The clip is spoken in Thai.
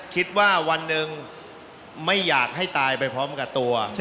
คิดว่าวันหนึ่งไม่อยากให้ตายไปพร้อมกับตัว